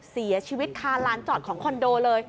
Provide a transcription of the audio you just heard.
เสียชีวิตคาลานจอดของคอนโดเลย